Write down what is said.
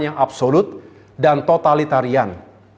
yang absolut dan totalitarian